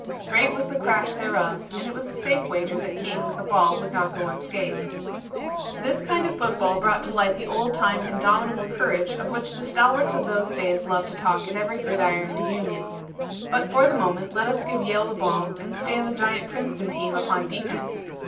Great was the crash thereof, and it was a safe wager that King with the ball would not go unscathed. [Illustration: LOOK OUT, PRINCETON!] This kind of football brought to light the old time indomitable courage of which the stalwarts of those days love to talk at every gridiron reunion. But for the moment let us give Yale the ball and stand the giant Princeton team upon defense.